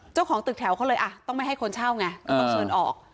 เจ้าของตึกแถวเขาเลยอ่ะต้องไม่ให้คนเช่าไงก็ต้องเชิญออก